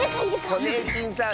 ホネーキンさん